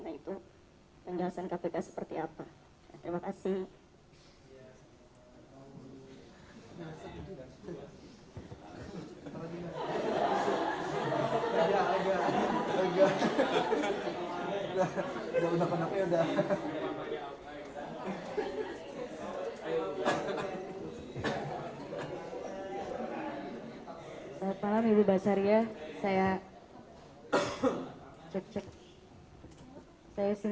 nah itu penjelasan kpk seperti apa terima kasih